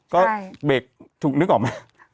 ก็เบรกถูกนึกออกไหม